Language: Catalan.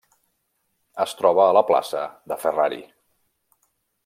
Es troba a la plaça De Ferrari.